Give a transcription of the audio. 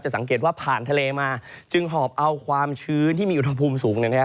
สังเกตว่าผ่านทะเลมาจึงหอบเอาความชื้นที่มีอุณหภูมิสูงเนี่ยนะครับ